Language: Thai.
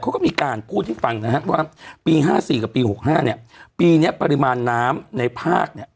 เขาก็มีการพูดให้ฟังนะครับว่าปี๕๔กับปี๖๕เนี่ยปีเนี้ยปริมาณน้ำในภาคเนี่ย